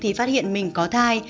thì phát hiện mình có thai